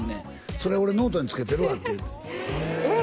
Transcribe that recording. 「それ俺ノートにつけてるわ」ってえっ